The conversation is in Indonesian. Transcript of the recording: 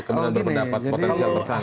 kemudian berpendapat potensial persahabatan